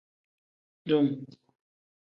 Dum.